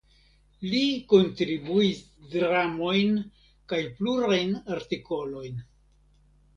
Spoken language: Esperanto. Li kontribuis dramojn kaj plurajn artikolojn.